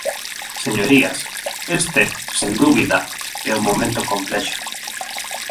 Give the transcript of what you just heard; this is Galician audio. Señorías, este, sen dúbida, é un momento complexo.